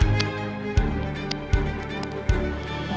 jangan lupa untuk mencoba